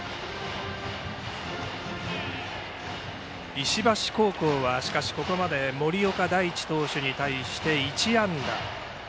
石橋高校は、ここまで森岡大智投手に対して１安打です。